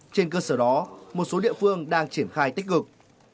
trên cơ sở đó một số địa phương đang triển khai tích cực